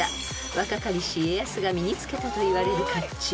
［若かりし家康が身に着けたといわれる甲冑］